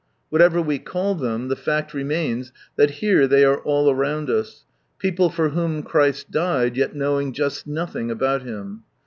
Whatever we call them, the fact remains that here they are all round us, people for whom Christ died, yet knowing just nothing about Him.